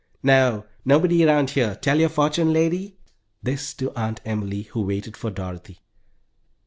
"No, nobody round here. Tell your fortune, lady?" This to Aunt Emily, who waited for Dorothy.